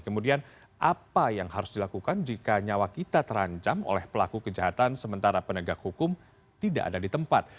kemudian apa yang harus dilakukan jika nyawa kita terancam oleh pelaku kejahatan sementara penegak hukum tidak ada di tempat